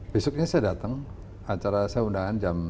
besoknya saya datang acara saya undangan jam tiga